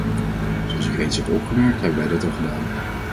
Zoals ik reeds heb opgemerkt, hebben wij dat al gedaan.